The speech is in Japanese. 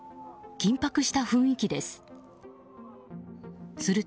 緊迫した雰囲気です。